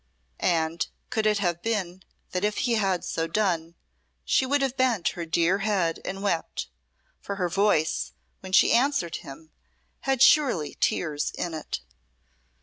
And could it have been that if he had so done she would have bent her dear head and wept for her voice, when she answered him, had surely tears in it.